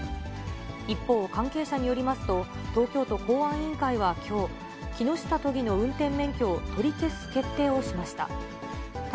一方、関係者によりますと、東京都公安委員会はきょう、木下都議の運転免許を取り消す決定をしました。